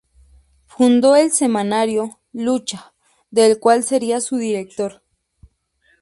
Fundó el semanario "Lucha", del cual sería su director.